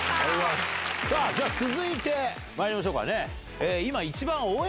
続いてまいりましょうかね。